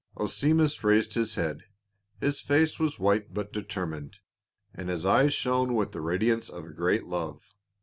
Onesimus raised his head ; his face was white but determined, and his eyes shone with the radiance of a great love.